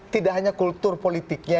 tidak hanya kultur politiknya